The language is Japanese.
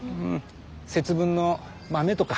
節分の豆とか。